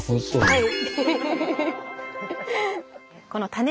はい。